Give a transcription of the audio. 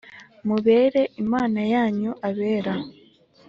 mubere Imana yanyu abera